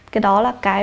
cái đó là cái